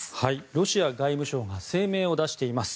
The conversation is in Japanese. ロシア外務省が声明を出しています。